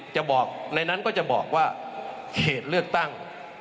จะบอกในนั้นก็จะบอกว่าเขตเลือกตั้ง